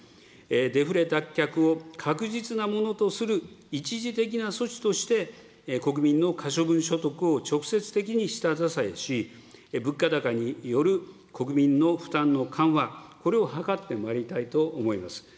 デフレ脱却を確実なものとする一時的な措置として、国民の可処分所得を直接的に下支えし、物価高による国民の負担の緩和、これを図ってまいりたいと思います。